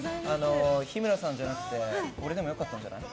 日村さんじゃなくて俺でも良かったんじゃない？